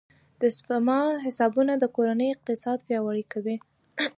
د سپما حسابونه د کورنۍ اقتصاد پیاوړی کوي.